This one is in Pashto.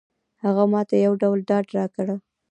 هغه ماته یو ډول ډاډ راکړ.